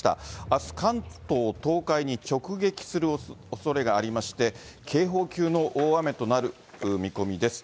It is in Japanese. あす、関東、東海に直撃するおそれがありまして、警報級の大雨となる見込みです。